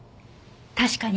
確かに。